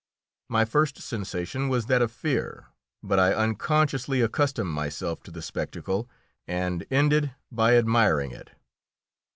My first sensation was that of fear, but I unconsciously accustomed myself to the spectacle, and ended by admiring it.